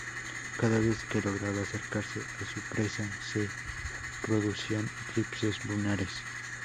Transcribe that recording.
Cada vez que lograba acercarse a su presa se producían eclipses lunares.